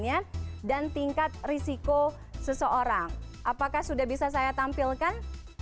apakah tingkat risiko seseorang apakah sudah bisa saya tampilkan